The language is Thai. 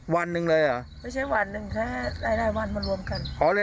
วันหนึ่งเลยเหรอไม่ใช่วันหนึ่งแค่รายรายวันมารวมกัน